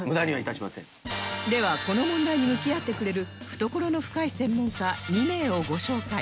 ではこの問題に向き合ってくれる懐の深い専門家２名をご紹介